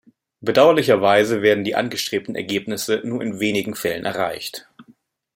Bedauerlicherweise werden die angestrebten Ergebnisse nur in wenigen Fällen erreicht.